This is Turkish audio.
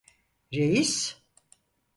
Reis!